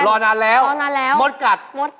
รอนานแล้วหมดกัน